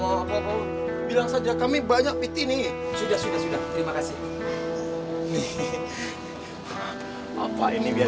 apa apa bilang saja kami banyak piti nih sudah sudah terima kasih nih apa ini biar